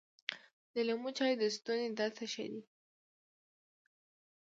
د لیمو چای د ستوني درد ته ښه دي .